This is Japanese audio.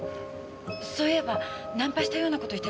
そういえばナンパしたような事言ってたけど。